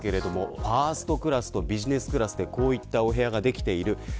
ファーストクラスとビジネスクラスでこういったお部屋ができています。